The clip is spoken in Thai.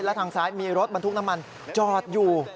และทางซ้ายมีรถบรรทุกน้ำมันจอดอยู่